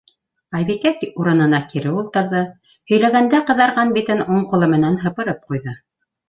Айбикә урынына кире ултырҙы, һөйләгәндә ҡыҙарған битен уң ҡулы менән һыпырып ҡуйҙы.